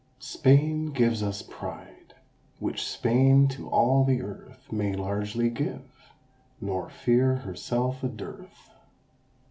"Spain gives us pride which Spain to all the earth May largely give, nor fear herself a dearth!"